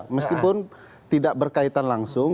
meskipun tidak berkaitan langsung